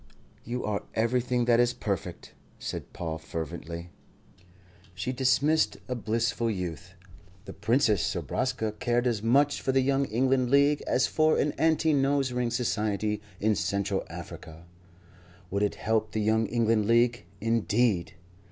"You are everything that is perfect," said Paul fervently. She dismissed a blissful youth. The Princess Zobraska cared as much for the Young England League as for an Anti Nose Ring Society in Central Africa. Would it help the Young England League, indeed!